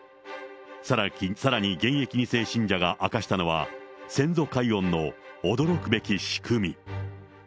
さらに現役２世信者が明かしたのは、先祖解怨の驚くべき仕組み。